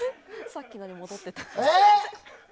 さっきのに戻ってた。